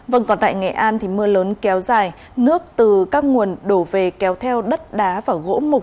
vâng còn tại nghệ an thì mưa lớn kéo dài nước từ các nguồn đổ về kéo theo đất đá và gỗ mục